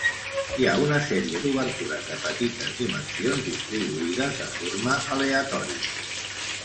Hi ha una sèrie d'obertures de petites dimensions, distribuïdes de forma aleatòria.